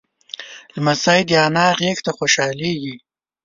لمسی د نیا غېږ ته خوشحالېږي.